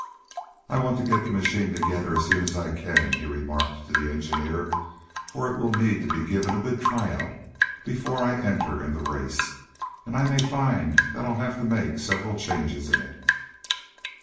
"I want to get the machine together as soon as I can," he remarked to the engineer, "for it will need to be given a good tryout before I enter in the race, and I may find that I'll have to make several changes in it."